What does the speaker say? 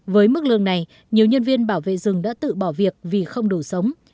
với mức lương này nhiều nhân viên bảo vệ rừng đã tự bỏ việc vì không đủ sống